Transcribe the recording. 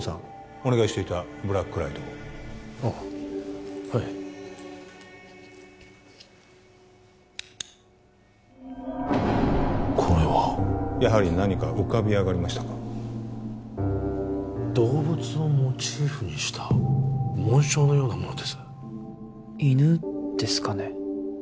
お願いしていたブラックライトをあっはいこれはやはり何か浮かび上がりましたか動物をモチーフにした紋章のようなものです犬ですかね